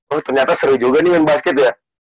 oh ternyata seru juga nih main basket ya